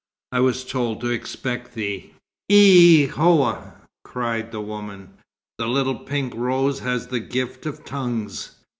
"I was told to expect thee." "Eïhoua!" cried the woman, "The little pink rose has the gift of tongues!"